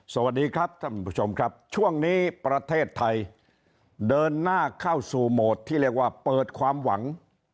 สวัสดีครับท่านผู้ชมครับช่วงนี้ประเทศไทยเดินหน้าเข้าสู่โหมดที่เรียกว่าเปิดความหวัง